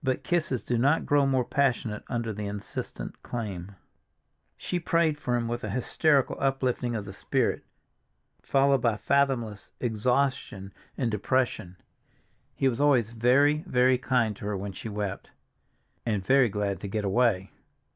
But kisses do not grow more passionate under the insistent claim. She prayed for him with a hysterical uplifting of the spirit, followed by fathomless exhaustion and depression. He was always very, very kind to her when she wept—and very glad to get away.